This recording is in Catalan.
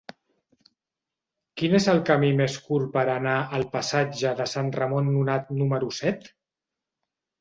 Quin és el camí més curt per anar al passatge de Sant Ramon Nonat número set?